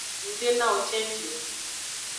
Ng de nawo cenji o.